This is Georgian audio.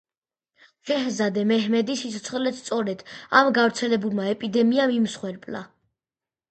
შეჰზადე მეჰმედის სიცოცხლეც სწორედ ამ გავრცელებულმა ეპიდემიამ იმსხვერპლა.